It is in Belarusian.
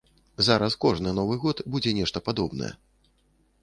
Зараз кожны новы год будзе нешта падобнае.